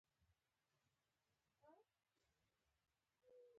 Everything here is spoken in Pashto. ټاکل شوې وه چې دا موده د پنجشنبې په ورځ پای ته ورسېږي